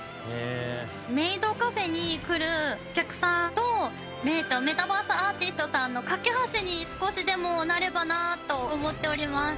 メイドカフェに来るお客さんとメタバースアーティストさんの架け橋に少しでもなればなと思っております。